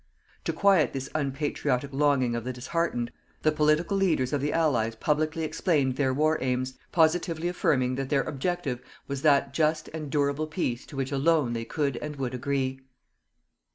To quiet this unpatriotic longing of the disheartened, the political leaders of the Allies publicly explained their war aims, positively affirming that their objective was that Just and Durable peace to which alone they could and would agree.